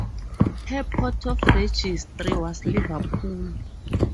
Her port of registry was Liverpool.